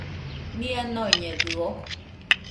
Nia noiñedɨo?